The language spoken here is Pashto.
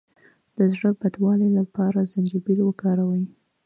د زړه بدوالي لپاره زنجبیل وکاروئ